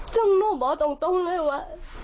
ซึ่งนู่นบอกตรงเลยวะ